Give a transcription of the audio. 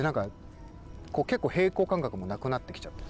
結構平衡感覚もなくなってきちゃって。